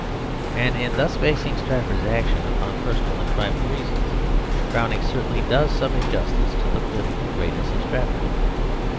And in thus basing Strafford's action upon personal and private reasons, Browning certainly does some injustice to the political greatness, of Strafford.